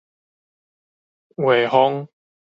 衛風